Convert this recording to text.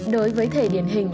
đối với thể điển hình